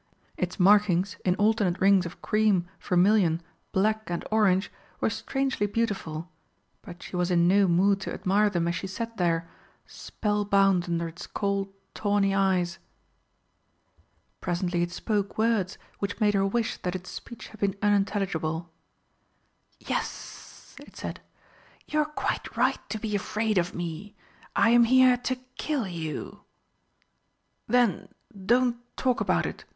Its markings, in alternate rings of cream, vermilion, black and orange, were strangely beautiful, but she was in no mood to admire them as she sat there spell bound under its cold tawny eyes. Presently it spoke words which made her wish that its speech had been unintelligible. "Yes," it said, "you are quite right to be afraid of me. I am here to kill you." "Then don't talk about it!"